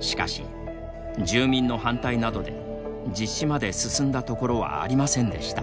しかし、住民の反対などで実施まで進んだところはありませんでした。